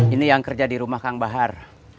ini yang kerja di rumah kang bahar